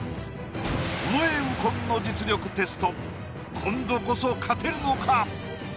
尾上右近の実力テスト今度こそ勝てるのか？